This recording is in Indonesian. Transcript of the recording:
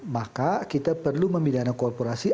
maka kita perlu memidana korporasi